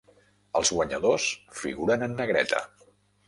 Els guanyadors figuren en negreta.